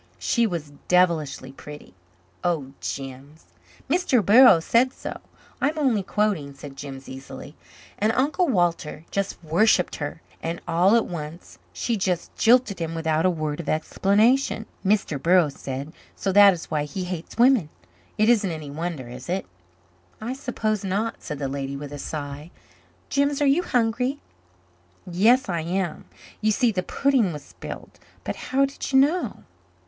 She was devilishly pretty." "Oh, Jims!" "Mr. Burroughs said so. I'm only quoting," said Jims easily. "And Uncle Walter just worshipped her. And all at once she just jilted him without a word of explanation, Mr. Burroughs said. So that is why he hates women. It isn't any wonder, is it?" "I suppose not," said the lady with a sigh. "Jims, are you hungry?" "Yes, I am. You see, the pudding was spilled. But how did you know?"